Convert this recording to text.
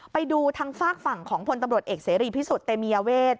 ไปดูทางฝากฝั่งของพลตำรวจเอกเสรีพิสุทธิ์เตมียเวท